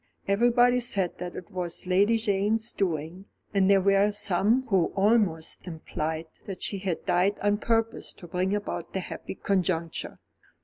Everybody said that it was Lady Jane's doing, and there were some who almost implied that she had died on purpose to bring about the happy conjuncture.